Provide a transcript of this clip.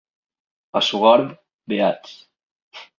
A Sogorb, beats.